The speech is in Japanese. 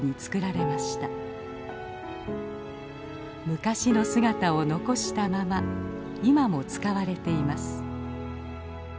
昔の姿を残したまま今も使われています。